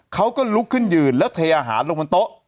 เขาก็ลุกขึ้นยืนแล้วเทอาหารลงบนโต๊ะ